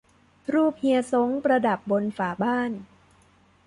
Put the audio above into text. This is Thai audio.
รูปเฮียซ้งประดับบนฝาบ้าน